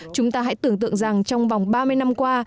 chúng ta hãy tưởng tượng rằng trong vòng ba mươi năm qua